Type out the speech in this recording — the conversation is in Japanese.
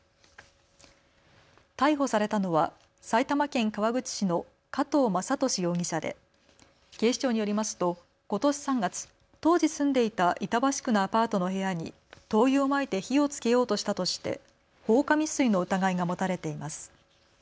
逮捕されたのは埼玉県川口市の加藤正敏容疑者で警視庁によりますとことし３月、当時住んでいた板橋区のアパートの部屋に灯油をまいて火をつけようとしたとして放火未遂の疑いが持たれています。